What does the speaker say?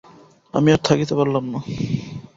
আমি আর থাকিতে পারিলাম না।